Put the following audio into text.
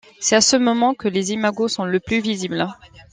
C'est à ce moment que les imagos sont le plus visible.